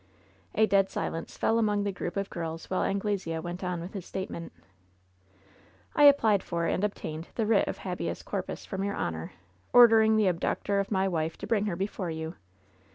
A dead silence fell among the group of girls while Anglesea went on with his statement: '^I applied for, and obtained, the writ of habeas cor pus from your honor, ordering the abductor of my wife to bring her before you.